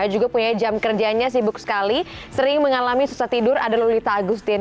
juga punya jam kerjanya sibuk sekali sering mengalami susah tidur ada lolita agustin